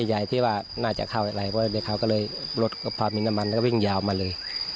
ปั๊มใหญ่ที่ว่าน่าจะเข้าเร็วอะไรดีเขาก็เลยรวดพอบีนอามันแล้วก็วิ่งยาวมาเลย